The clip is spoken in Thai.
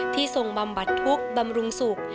ที่ทรงบำบัดทุกข์บำรุงศุกร์